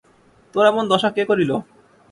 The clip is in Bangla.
তোর এমন দশা কে করিল?